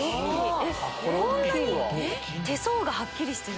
こんなに⁉手相がはっきりしてる。